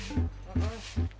aduh bingung aneh bisa ludes